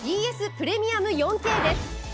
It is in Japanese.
プレミアム４Ｋです。